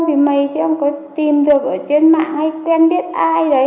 thì mày chắc không có tìm được ở trên mạng hay quen biết ai đấy